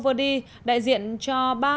vô đi đại diện cho